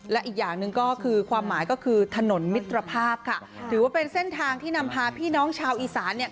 และอีกอย่างหนึ่งก็คือความหมายก็คือถนนมิตรภาพค่ะถือว่าเป็นเส้นทางที่นำพาพี่น้องชาวอีสานเนี่ย